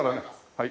はい。